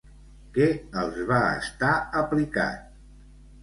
Què els va estar aplicat?